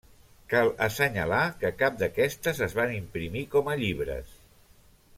Cal assenyalar que cap d'aquestes es van imprimir com a llibres.